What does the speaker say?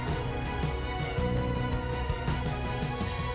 ya sudah ya sudah